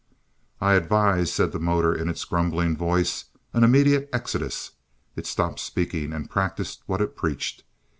"I advise," said the motor in its grumbling voice, "an immediate exodus." It stopped speaking, and practiced what it preached.